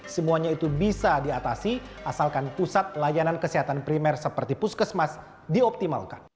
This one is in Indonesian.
semuanya itu bisa diatasi asalkan pusat layanan kesehatan primer seperti puskesmas dioptimalkan